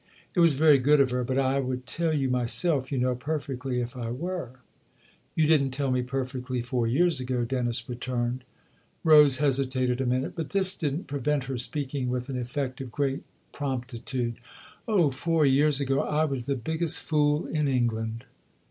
"It was very good of her; but I would tell you myself, you know, perfectly, if I were." "You didn't tell me perfectly four years ago," Dennis returned. Rose hesitated a minute ; but this didn't prevent her speaking with an effect of great promptitude. " Oh, four years ago I was the biggest fool in England